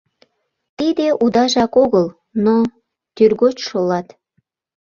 Тиде удажак огыл, но... тӱргоч шолат.